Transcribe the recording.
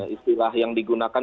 istilah yang digunakan